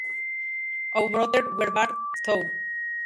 O Brother, Where Bart Thou?